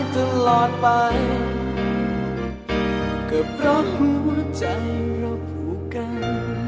ตลอดไปก็เพราะหัวใจเราผูกกัน